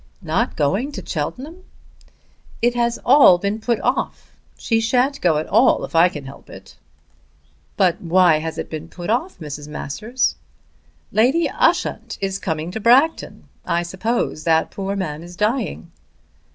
"Not going to Cheltenham!" "It has all been put off. She shan't go at all if I can help it." "But why has it been put off, Mrs. Masters?" "Lady Ushant is coming to Bragton. I suppose that poor man is dying."